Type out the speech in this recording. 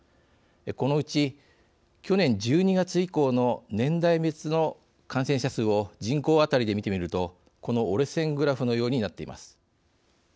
このうち去年１２月以降の年代別の感染者数を人口あたりで見てみるとこの折れ線グラフのようになっています。